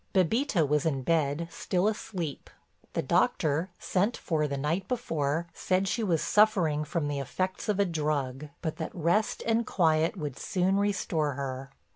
Bébita was in bed still asleep. The doctor, sent for the night before, said she was suffering from the effects of a drug, but that rest and quiet would soon restore her.